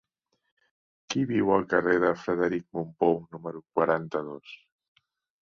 Qui viu al carrer de Frederic Mompou número quaranta-dos?